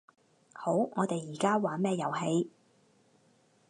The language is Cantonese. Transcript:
好，我哋而家玩咩遊戲